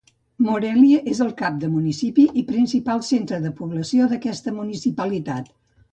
Morelia és el cap de municipi i principal centre de població d'aquesta municipalitat.